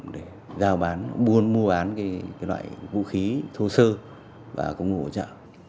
để mua bán vũ khí thô sơ và công cụ hỗ trợ